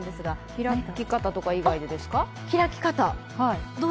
開き方とか以外ですか？